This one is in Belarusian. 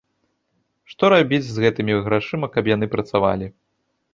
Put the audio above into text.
Што рабіць з гэтымі грашыма, каб яны працавалі?